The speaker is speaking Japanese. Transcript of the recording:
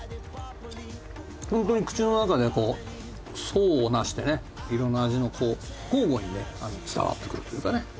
ホントに口の中で層を成してね色んな味のこう交互に伝わってくるっていうかね。